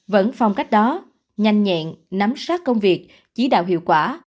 vẫn phong cách đó nhanh nhẹn nắm sát công việc chỉ đạo hiệu quả